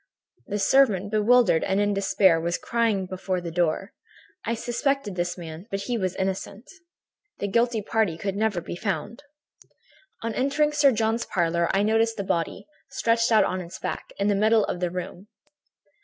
The servant, bewildered and in despair, was crying before the door. At first I suspected this man, but he was innocent. "The guilty party could never be found. "On entering Sir John's parlor, I noticed the body, stretched out on its back, in the middle of the room.